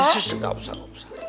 sssh nggak usah nggak usah